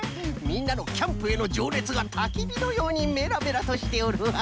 みんなのキャンプへのじょうねつがたきびのようにメラメラとしておるわ。